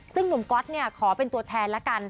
ซึ่งหนุ่มก๊อตขอเป็นตัวแทนละกัน